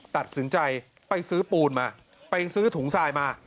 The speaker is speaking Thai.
ตัดสินใจไปซื้อปูนมาไปซื้อถุงทรายมา